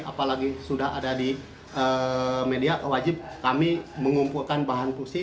apalagi sudah ada di media wajib kami mengumpulkan bahan pusi